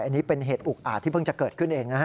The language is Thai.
อันนี้เป็นเหตุอุกอาจที่เพิ่งจะเกิดขึ้นเองนะฮะ